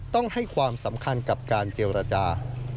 ต้องให้ความสำคัญกับการเจรจา